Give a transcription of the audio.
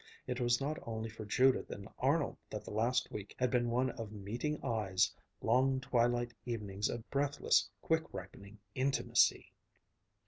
It was not only for Judith and Arnold that the last week had been one of meeting eyes, long twilight evenings of breathless, quick ripening intimacy....